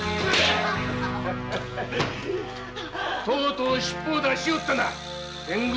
とうとうしっぽを出しおったな！